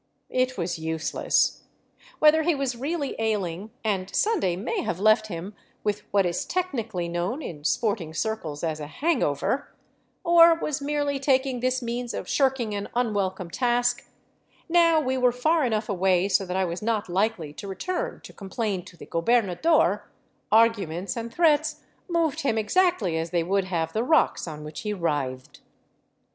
It was useless. Whether he was really ailing — and Sunday may have left him with what is technically known in sporting circles as a " hang over "— or was merely taking this means of shirk ing an unwelcome task, now we were far enough away so that I was not likely to return to complain to the gobernador, arguments and threats moved him exactly as they would have the rocks on which he writhed.